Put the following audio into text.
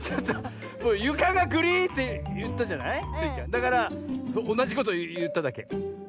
だからおなじこといっただけ。